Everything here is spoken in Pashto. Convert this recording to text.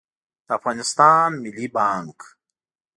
د افغانستان ملي بانګ